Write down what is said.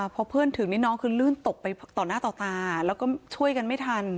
พอเพื่อนถึงนี่น้องคือลื่นตกไปต่อหน้าต่อตาแล้วก็ช่วยกันไม่ทัน